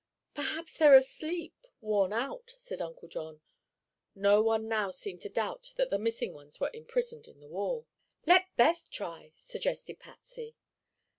"Perhaps they're asleep—worn out," said Uncle John. No one now seemed to doubt that the missing ones were imprisoned in the wall. "Let Beth try," suggested Patsy.